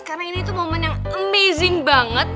karena ini tuh momen yang amazing banget